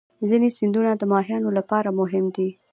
ځینې سیندونه د ماهیانو لپاره مهم دي.